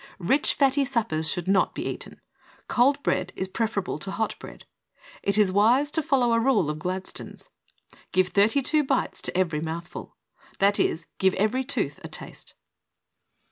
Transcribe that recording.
Rich, fatty suppers should not be eaten. Cold bread is preferable to hot bread. It is wise to follow a rule of Gladstone's: "Give thirty two bites to every mouthful," that is, give every tooth a taste.